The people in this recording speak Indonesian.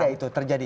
ada itu terjadi